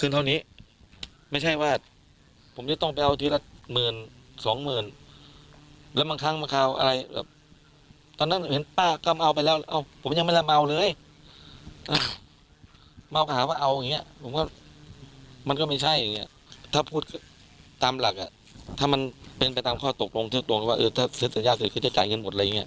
ตามข้อตกลงถือตรงว่าเออถ้าเสียสัญญาเสร็จก็จะจ่ายเงินหมดอะไรอย่างเงี้ย